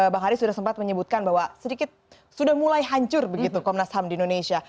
bang haris sudah sempat menyebutkan bahwa sedikit sudah mulai hancur begitu komnas ham di indonesia